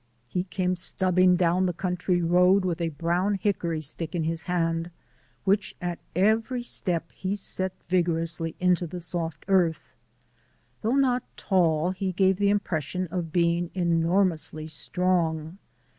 He came stubbing down the country road with a brown hickory stick in his hand which at every step he set vigorously into the soft earth. Though not tall, he gave the impression of being enormously strong.